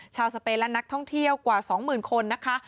สเปนและนักท่องเที่ยวกว่า๒๐๐๐คนนะคะ